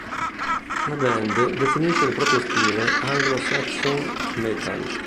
La band definisce il proprio stile Anglo-Saxon metal.